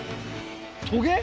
トゲ！？